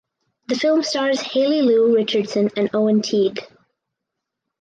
The film stars Haley Lu Richardson and Owen Teague.